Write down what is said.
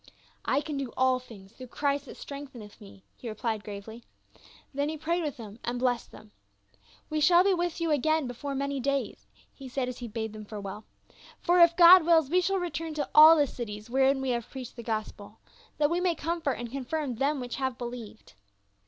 " I can do all things through Christ that strength eneth me," he replied gravely. Then he prayed with them and blessed them. " We shall be with you again before many days." he said as he bade them forewell, "for if God wills, we shall return to all the cities wherein we have preached the gospel, that we may comfort and confirm them which have believed."